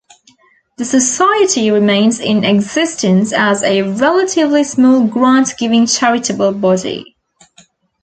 The society remains in existence as a "relatively small grant-giving charitable body".